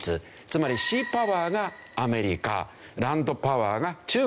つまりシーパワーがアメリカランドパワーが中国。